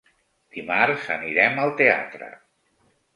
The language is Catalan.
Dimarts anirem al teatre.